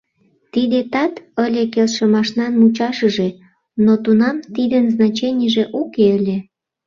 Тиде тат ыле келшымашнан мучашыже, но тунам тидын значенийже уке ыле.